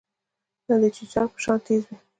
نۀ د چيتا پۀ شان تېز وي